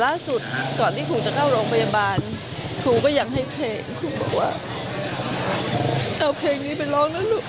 ล่าสุดก่อนที่ครูจะเข้าโรงพยาบาลครูก็ยังให้เพลงครูบอกว่าเอาเพลงนี้ไปร้องนะลูก